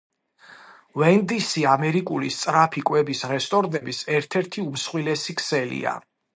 ვენდისი ამერიკული სწრაფი კვების რესტორნების ერთ-ერთი უმსხვილესი ქსელია